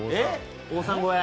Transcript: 王さん超え。